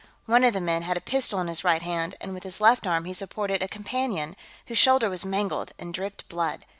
One of the men had a pistol in his right hand, and with his left arm he supported a companion, whose shoulder was mangled and dripped blood.